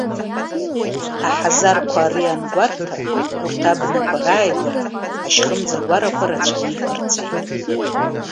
Аҳазарқәа ари ангәарҭа, урҭ абнақәа рааигәара ашьхымӡагәарақәа рацәаны иҟарҵеит.